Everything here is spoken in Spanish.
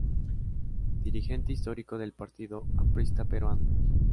Dirigente histórico del Partido Aprista Peruano.